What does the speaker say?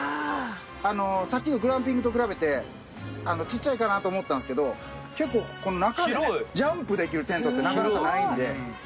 さっきのグランピングと比べてちっちゃいかなと思ったんですけど結構この中でねジャンプできるテントってなかなかないんで。